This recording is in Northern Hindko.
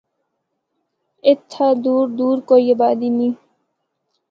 اِتھا دور دور کوئی آبادی نیں۔